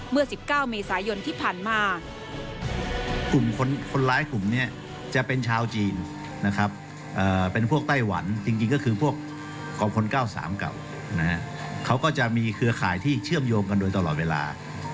เมื่อ๑๙เมษายนที่ผ่านมา